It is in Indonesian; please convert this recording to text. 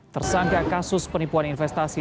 tersangka kasus penipuan investasi